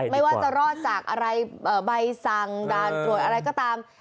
ไม่ว่าจะรอดจากอะไรใบสั่งด่านตรวจอะไรก็ตาม